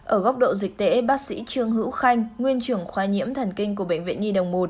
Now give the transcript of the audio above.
ở góc độ dịch tễ bác sĩ trương hữu khanh nguyên trưởng khoa nhiễm thần kinh của bệnh viện nhi đồng một